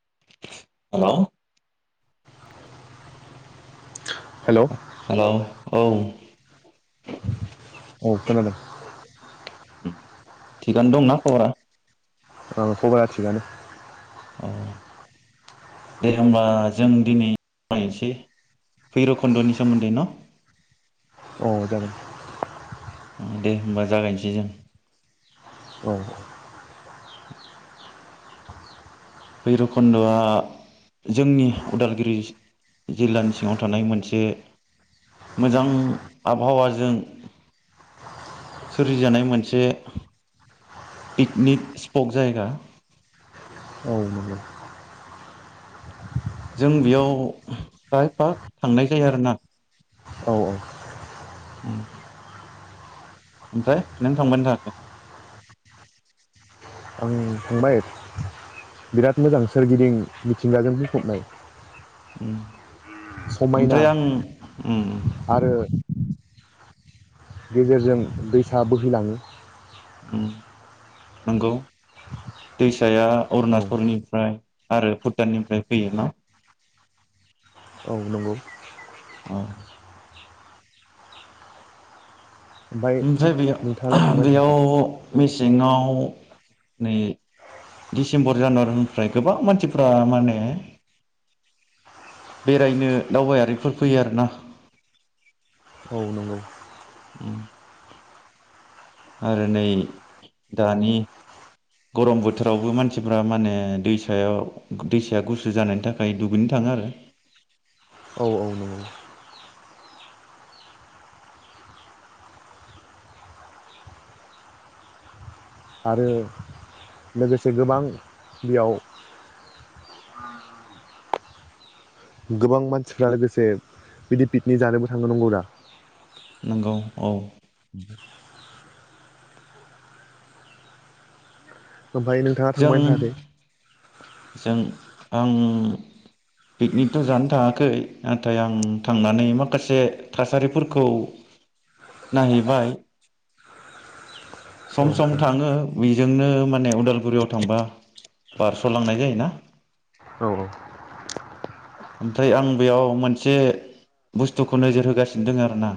हेल' [inaudible] हेल' औ औ खोनादों थिगानो दंना खबरा? औ खबरा थिगानो औ दे होनोमब्लाा जों दिनैनायसै भैरबकुन्द'नि सोमोन्दै न औ जागोन। अ दे होनोमबा जागायनोसै जों। औ भैराबकुन्द'आ जोंनि उदालगुरि जिल्लानि सिङाव थानाय मोनसे मोजां आबहावाजों सोरजिजानाय मोनसे पिकनिक स्पट जायगा। औ नंगौ जों बेयाव जायफा थांनाय जायो आरोना? औ उ ओमफ्राय नों थांबानो थायाखै। आं थांबाय बिराद मोजां सोरगिदिं मिथिंगाजों बुंफबनाय। उ समायना ओमफ्राय आं उम उम आरो गेजेरजों दैसा बोहैलाङो। नंगौ दैसाया औ अरुनाचलनिफ्राय आरो भुटाननिफ्राय फैयोना? औ नंगौ औ ओमफ्राय बे नोंथाङालाय थांबाय थायाखै बेयाव मेसेंआव नै दिसेम्बर जानुवारिनिफ्राय गोबां मानसिफ माने बेरायनो दावबायारिफोर फैयो आरोना औ नंगौ उम आरो नै दानि गरम बोथोरावबो मानसिफ्रा माने दैसायाव दैसाया गुसु जानायनि थाखाय दुगैनो थाङो आरो। औ औ नंगौ आरो लोगोसे गोबां बेयाव गोबां मानसिफ्रा लोगोसे बिदि पिकनिक जानोबो थांगनो नांगौ दा औ औ ओमफाय नोंथाङा जों थांबायानो थायाखै? जों आं पिकनिकथ' जानो थाङाखै नाथाय आं थांनानै माखासे थासारिफोरखौ नायहैबाय औ सम सम थाङो बेजोंनो माने उदालगुरियाव थांबा बारस' लांनाय जायोना औ ओमफ्राय आं बेयाव मोनसे बुस्थुखौ नोजोर होगासिनो दङ आरोना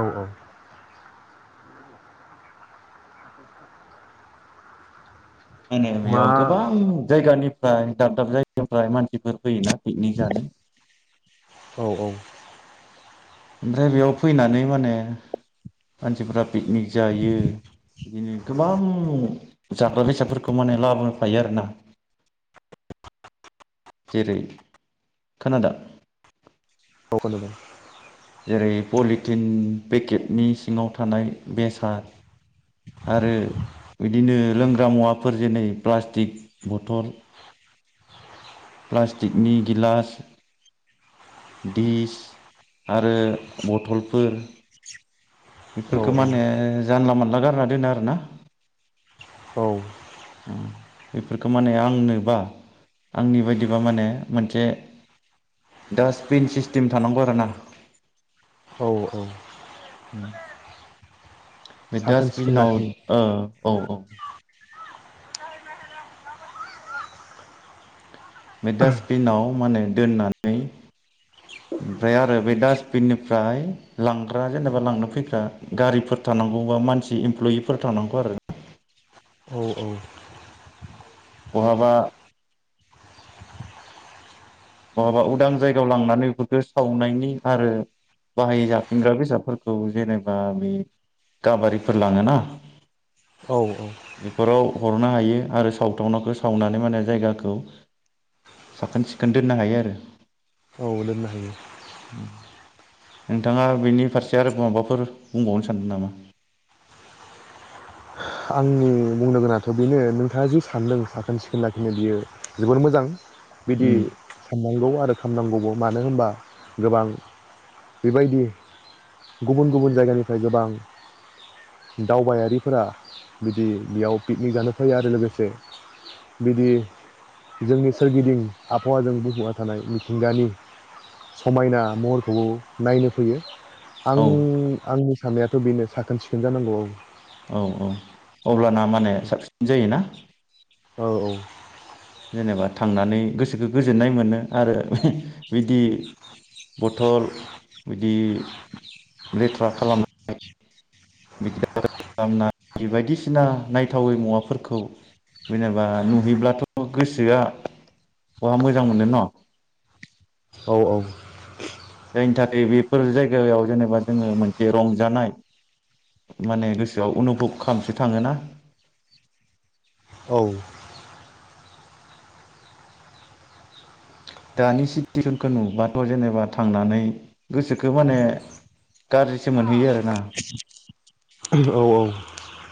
औ औ ए मा बेयाव गोबां जायगानिफ्राय दाब दाब जायगानिफ्राय मानसिफोर फैयोना पिकनिक जानो औ औ ओमफ्राय बेयाव फैनानै माने मानसिफ्रा पिकनिक जायो बिदिनो गोबां जाग्रा बेसादफोरखौ माने लाबोफायो आरोना जेरै खोनादो खुलुमबाय जेरै पलिटिन पेकेटनि सिङाव थानाय बेसाद आरो बिदिनो लोंग्रा मुवाफोर जेनेरै प्लास्टिक बथल प्लास्टिकनि गिलास दिस आरो बथलफोर औ बेफोरखौ माने जानला मोनला गारना दोनो आरोना औ बेफोरखौ माने आंनोबा आंनि बायदिबा माने मोनसे डास्टबिन सिस्टेम थानांगौ आरोना औ औ उम बे साखोन सिखोन डासटबिनाव लाखिनो औ औ [inaudible] बे डास्टबिनाव माने दोननानै ओमफ्राय आरो बे डास्टबिननिफ्राय लांग्रा जेनेबा लांनो फैग्रा गारिफोर थानांगौ बा मानसि इमप्लयिफोर थानांगौ आरो औ औ बहाबा बहाबा उदां जायगायाव लांनानै बेफोरखौ सावनायनि आरो बाहाय जाफिनग्रा बेसादफोरखौ जेनेबा बे गाबारिफोर लाङोना औ औ बेफोराव हरनो हायो आरो सावथावनाखौ सावनानै माने जायगाखौ साखोन सिखोन दोननो हायो [inaudible] आरो औ दोननो हायो नोंथाङा बेनि फारसे आरो माबाफोर बुंबावनो सानदों नामा? आंनि बुंनो गोनांथ' बेनो नोंथाङा जि सानदों साखोन सिखोन लाखिनो बियो जोबोर मोजां बिदि उम साननांगौ आरो [unintelligible] नांगौबो मानो होनबा गोबां बेबायदि गुबुन गुबुन जायगानिफ्राय गोबां दावबायारिफोरा बिदि बेयाव पिकनिक जानो फैयो आरो लोगोसे बिदि जोंनि सोरगिदिं आबहावाजों बुंफबना थानाय मिथिंगानि समायना महरखौबो नायनो फैयो। आं औ आं सानायाथ' बेनो साखोन सिखोन जानांगौ औ औ अब्लाना माने साबसिन जायोना औ औ जेनेबा थांनानै गोसोखौ गोजोननाय मोनो आरो बिदि बथल बिदि लेथ्रा खालामनाय बिदिनोदि बायदिसिना नायथावै मुवाफोरखौ जेनेबा नुहैब्लाथ' गोसोआ बहा मोजां मोनो न' औ औ जायनि थाखाय बेफोर जायगायाव जेनेबा जोङो मोनसे रंजानाय माने गोसोआव अनुभब खालामसो थाङोना औ दानि सिटुवेसनखौ नुबाथ जेनेबा थांनानै गोसोखो माने गाज्रिसो मोनहैयो आरोना औ औ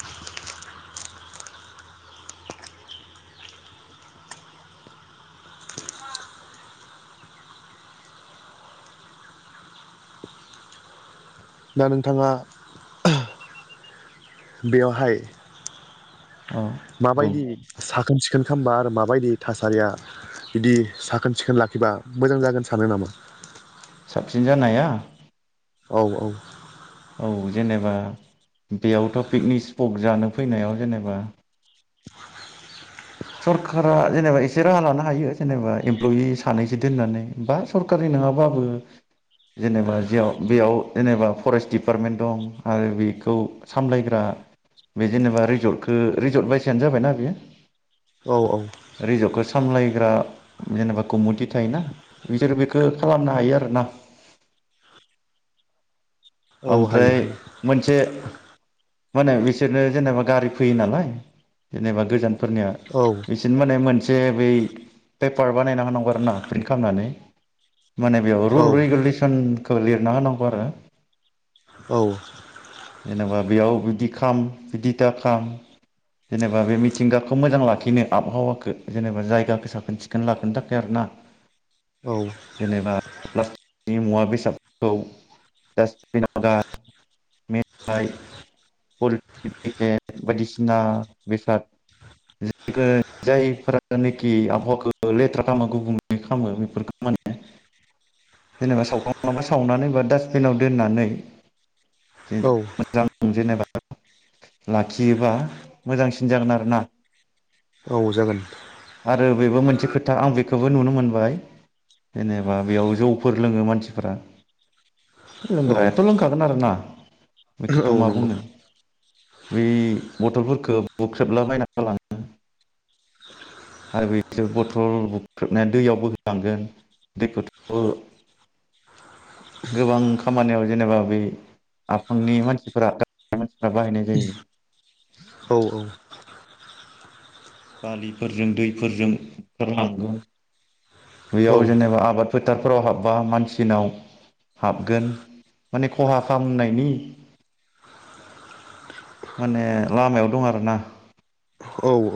दा नोंथाङा बेवहाय औ बुं माबायदि सा साखोन सिखोन खालामबा आरो माबायदि थासारिया बिदि साखोन सिखोन लाखिबा मोजां जागोन सानो नामा साबसिन जानाया औ औ औ जेनेबा बेयावथ पिकनिक स्पक जानो फैनायाव जेनेबा सरकारा जेनेबा एसे राहा लानो हायो जेनेबा इमप्लय सानैसो दोननानै बा सरकारि नङाबाबो जेनेबा जेयाव बेयाव जेनेबा फरेस्ट डिपार्टमेन्ट दं आरो बेखौ सामलायग्रा बे जेनेबा रिजर्टखौ रिजर्ट बायसयानो जाबायना बियो औ औ। सामलायग्रा जेनेबा कमिटि थायोना बिसोर बेखौ खालामनो हायो आरो ना। औ हायो ओमफ्राय हायो मोनसे माने बिसोरनो जेनेबा गारि फैयो नालाय, जेनेबा गोजान फोरनिया औ बिसोरनो माने मोन जे बै पेपार बानायना होनांगौ आरो ना प्रिन्ट खालामनानै। माने बेयाव रुल औ रेगुलेसन लिरना होनांगौ आरो। औ। जेनेबा बेयाव बिदि खाम, बिदिथा खाम, जेनेबा बे मिथिंगाखौ मोजां लाखिनो आबहावाखौ जेनेबा जायगाखौ साखोन सिखोन लाखिनो थाखाय आरोना। जेनेबा प्लास्टिक नि मुवा बेसादफोरखौ जेनबा [inaudible] मेथाइ बायदिसिना बेसाद जायफोरानोखि आबहावाखौ लेथ्रा खामो गुबुंले खामो बेफोरखौ माने, जेनेबा सावखांबा सावनानै बा डास्टबिनाव दोननानै। नै जे औ मोजां जेनेबा लाखियोबा मोजांसिन जागोन आरोना। औ जागोन। आरो बेबो मोनसे खोथा आं बेखौबो नुनो मोनबाय। जेनेबा बेयाव जौफोर लोङो मानसिफोरा। औ लोंग्रायाथ लोंखागोन आरोना। बेखौथ औ मा नंगौ बुंनो? बै बथलफोरखौ बुख्रेबलाबायना गालाङो। आरो बिसोर बथल बुख्रेबनाया दैयाव बोहोलांगोन। दैखौथ गोबां खामानियाव जेनेबा बै आफांनि मानसिफोरा मानसिफोरा बाहायनाय जायो। औ औ। बा बिफोरजों दैफोरजों [inaudible] औ बैयाव जेनेबा आबाद फोथारफोराव हाबबा मानसिनाव हाबगोन माने खहा खालामनायनि माने लामायाव दं आरोना। औ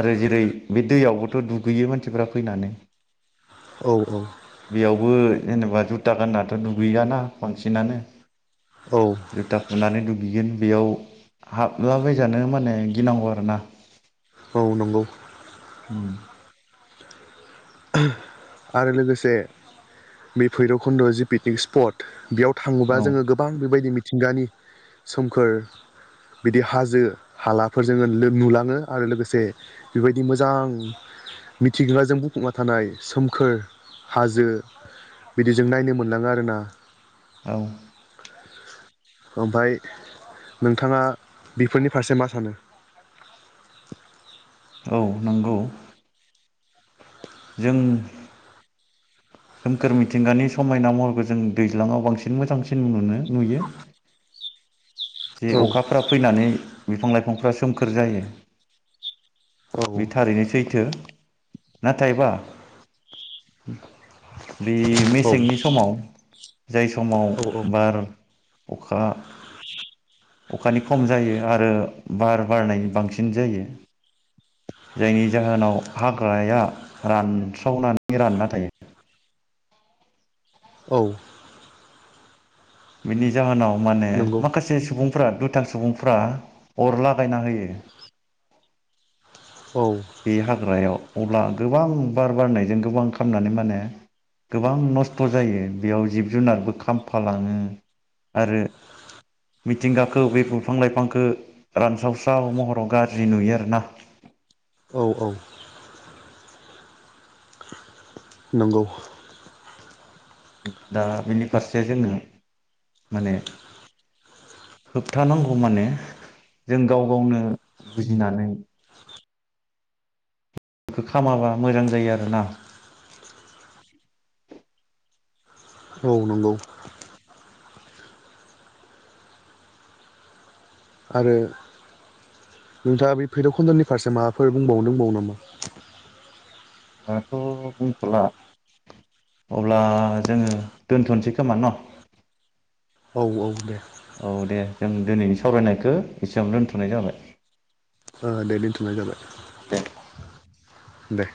आरो जेरै बे दैयावबोथ दुगैयो मानसिफ्रा फैनानै। औ बेयावबो जेनेबा जुथा गाननाथ दुगैयाना बांसिनानो औ जुथा खुनानै दुगैगोन बेयाव हाबलाबायजानो माने गिनांगौ आरोना औ नंगौ ओम। आरो लोगोसे बे भैरबखुन्द जि पिकनिक स्पट, बेयाव थाङोबा जोङो औ गोबां बेबायदि मि मिथिंगानि सोमखोर, बिदि हाजो हालाफोर जोंङो नुलाङो आरो लोगोसे, बेबायदि मोजां मिथिंगाजों बुंफबना थानाय सोम खोर हाजो बिदि जों नायनो मोनलाङो आरोना। औ। ओमफाय नोंथाङा बेफोरनि फारसे मा सानो? औ नंगौ। जों सोमखोर मिथिंगानि समायना महरखौ जों दैज्लाङाव बांसिन मोजांसिन नुनो नुयो। जे औ अखाफ्रा फैनानै। बिफां लाइफांफ्रा सोमखोर जायो। औ बे थारैनो सैथो। नाथायबा। [inaudible] बे औ मेसेंनि समाव। जाय समाव औ औ बार अखा अखानि खम जायो आरो बार बारनायनि बांसिन जायो जायनि जाहोनाव हाग्राया रानस्रावनानै राननानै [unintelligible] औ बिनि जाहोनाव माने नंगौ माखासे सुबुं [unintelligible] दुथां सुबुंफोरा अर लागायना होयो औ बे हाग्रायाव अब्ला गोबां बार बारनायजों गोबां खामनानै माने गोबां नस्थ' जायो बेयाव जिब जुनारबो खामफालाङो आरो मिथिंगाखौ बे बिफां लाइफांखौ रानस्रावस्राव महराव गाज्रि नुयो आरोना औ औ नंगौ दा बिनि फारसे जोङो माने होबथानांगौ माने जों गाव गावनो बुजिनानै खामाबा मोजां जायो आरोना। औ नंगौ आरो नोंथाङा बे भैरबकुन्द'नि फारसे माबाफोर बुंबावनो दंबावो नामा? दाथ' बुंथ'ला अब्ला जोङो दोनथ'सै खोमा न'? औ औ दे औ दे जों दिनैनि सावरायनायखौ एसेबां दोनथ'नाय जाबाय। ओ दे दोनथ'नाय जाबाय। दे दे